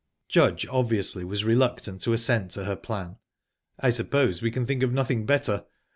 Judge obviously was reluctant to assent to her plan. "I suppose we can think of nothing better.